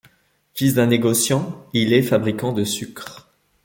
Fils d'un négociant, il est fabricant de sucre.